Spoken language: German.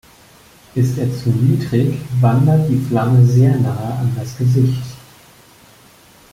Ist er zu niedrig, wandert die Flamme sehr nahe an das Gesicht.